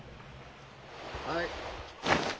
はい。